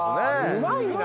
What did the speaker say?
うまいな。